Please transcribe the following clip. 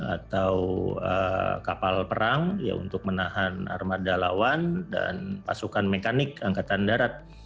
atau kapal perang ya untuk menahan armada lawan dan pasukan mekanik angkatan darat